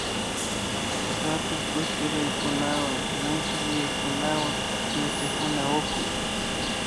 katun kullki ruraykunawan mushukyuyaykunawan yachakuna uku